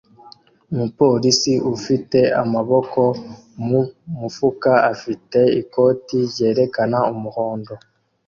umupolisi ufite amaboko mu mufuka afite ikoti ryerekana umuhondo